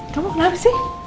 kamu kenapa sih